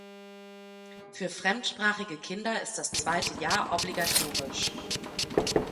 Für fremdsprachige Kinder ist das zweite Jahr obligatorisch.